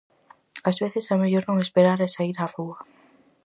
Ás veces é mellor non esperar e saír á rúa.